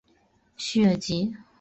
叙尔吉。